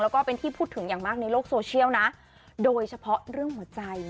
แล้วก็เป็นที่พูดถึงอย่างมากในโลกโซเชียลนะโดยเฉพาะเรื่องหัวใจ